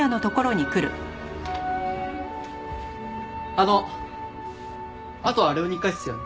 あのあとはあれを２階っすよね？